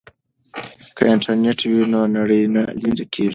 که انټرنیټ وي نو نړۍ نه لیرې کیږي.